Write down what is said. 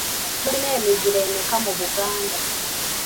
Tulina emiziro emeka mu Buganda.